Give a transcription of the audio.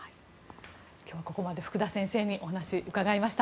今日はここまで福田先生にお話を伺いました。